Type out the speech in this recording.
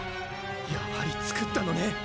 やはり作ったのね